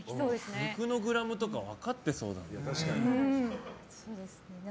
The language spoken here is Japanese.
肉のグラムとか分かってそうだもん。